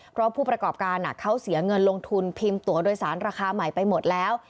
เพราะผู้ประกอบการเขาเสียเงินลงทุนพิมพ์ตัวโดยสารราคาใหม่ไปหมดแล้ว